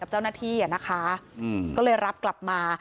เจ้าหน้าที่อ่ะนะคะก็เลยรับกลับมา